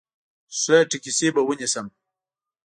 ښه ټیکسي به ونیسم.